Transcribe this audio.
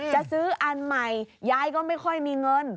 จะซื้ออันใหม่ยายก็ไม่ค่อยมีเงิน